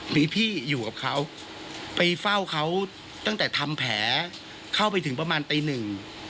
มีพี่อยู่กับเขาไปเฝ้าเขาตั้งแต่ทำแผลเข้าไปถึงประมาณตีหนึ่ง